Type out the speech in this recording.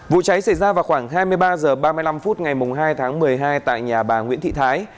vụ cháy xảy ra vào khoảng hai mươi ba h ba mươi năm phút ngày hai tháng một mươi hai tại nhà bà nguyễn thị thái